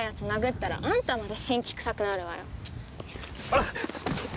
あっ！